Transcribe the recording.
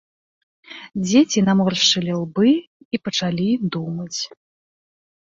Дзеці наморшчылі лбы і пачалі думаць.